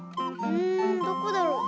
うんどこだろう？